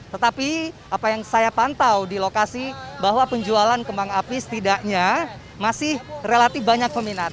tetapi apa yang saya pantau di lokasi bahwa penjualan kembang api setidaknya masih relatif banyak peminat